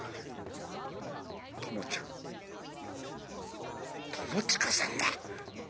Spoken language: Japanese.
友ちゃん友近さんだ！」。